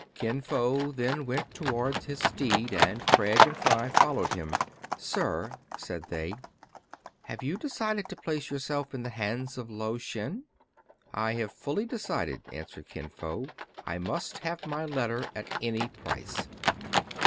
Kin Fo then went towards his steed, and Craig and Fry followed him. " Sir," said they, " have you decided to place yourself in the hands of Lao Shen }"" I have fully decided," answered Kin Fo :" I must have my letter at any price."